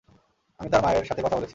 আমি তার মায়ের সাথে কথা বলেছি।